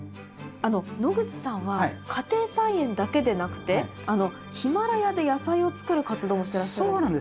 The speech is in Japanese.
野口さんは家庭菜園だけでなくてヒマラヤで野菜を作る活動もしてらっしゃるんですか？